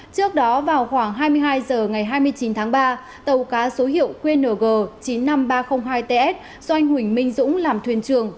trước đó vào khoảng hai mươi hai h ngày hai mươi chín tháng ba tàu cá số hiệu qng chín mươi năm nghìn ba trăm linh hai ts do anh huỳnh minh dũng làm thuyền trường